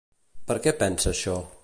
Per què pensa això?